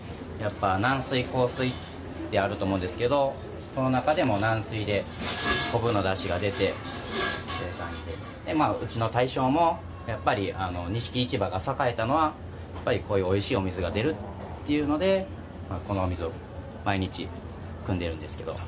軟水、硬水ってあると思うんですけどその中でも軟水で昆布のだしが出てうちの大将もやっぱり錦市場が栄えたのはやっぱりこういうおいしいお水が出るというのでこのお水を毎日くんでいるんですけど。